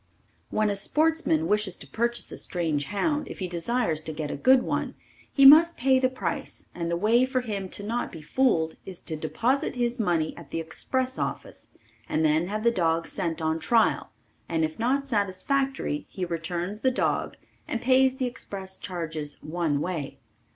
When a sportsman wishes to purchase a strange hound if he desires to get a good one he must pay the price and the way for him to not be fooled is to deposit his money at the express office and then have the dog sent on trial and if not satisfactory, he returns the dog and pays the express charges one way.